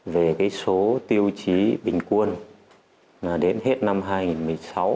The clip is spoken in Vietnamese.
về cái số tiêu chí bình quân đến hết năm hai nghìn một mươi sáu